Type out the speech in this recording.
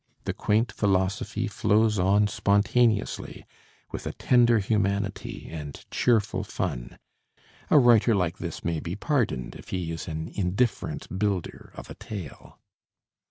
The quaint philosophy flows on spontaneously, with a tender humanity and cheerful fun. A writer like this may be pardoned if he is an indifferent builder of a tale.